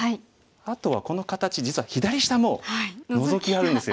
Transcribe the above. あとはこの形実は左下もノゾキあるんですよ。